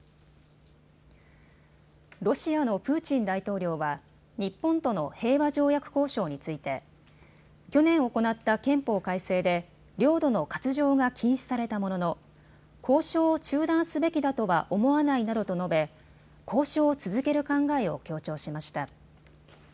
ロシアのプーチン大統領は、日本との平和条約交渉について去年行った憲法改正で領土の割譲が禁止されたものの交渉を中断すべきだとは思わないなどと述べ、交渉を続ける考えを強調しました。